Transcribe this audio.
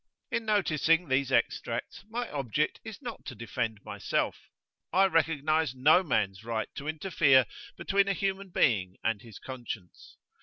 In noticing these extracts my object is not to defend myself: I recognize no man's right to interfere between a human being and his conscience.